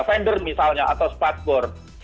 fender misalnya atau spadbor